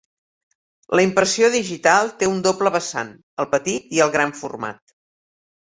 La impressió digital té un doble vessant: el petit i el gran format.